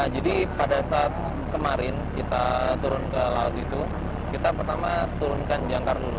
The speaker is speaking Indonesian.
jadi pada saat kemarin kita turun ke laut itu kita pertama turunkan jangkar dulu